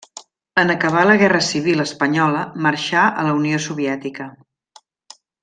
En acabar la guerra civil espanyola marxà a la Unió Soviètica.